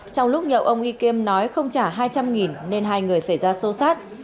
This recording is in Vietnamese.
trong lúc nhậu ông y kiem nói không trả hai trăm linh nên hai người xảy ra sâu sát